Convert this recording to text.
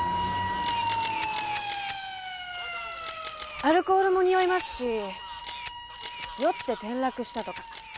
アルコールもにおいますし酔って転落したとか。